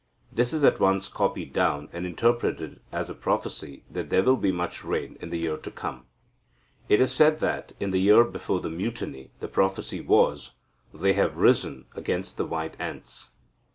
This is at once copied down, and interpreted as a prophecy that there will be much rain in the year to come." It is said that, in the year before the Mutiny, the prophecy was "They have risen against the white ants."